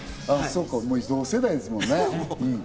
同世代ですもんね。